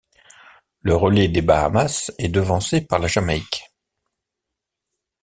Le relais des Bahamas est devancé par la Jamaïque.